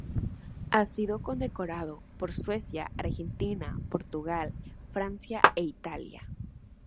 Ha sido condecorado por Suecia, Argentina, Portugal, Francia e Italia.